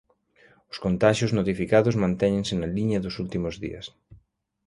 Os contaxios notificados mantéñense na liña dos últimos días.